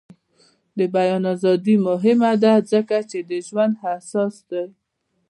د بیان ازادي مهمه ده ځکه چې د ژوند اساس دی.